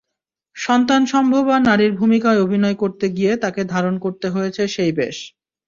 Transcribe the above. সন্তানসম্ভবা নারীর ভূমিকায় অভিনয় করতে গিয়ে তাঁকে ধারণ করতে হয়েছে সেই বেশ।